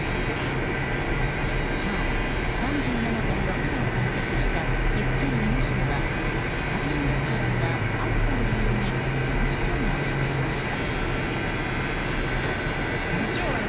今日、３７．６度を観測した岐阜県美濃市ではイタリアンレストランが暑さを理由に臨時休業していました。